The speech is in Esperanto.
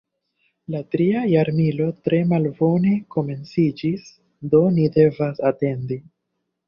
La tria jarmilo tre malbone komenciĝis, do ni devas atendi.